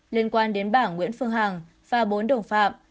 liên quan đến bảng nguyễn phương hằng và bốn đồng phạm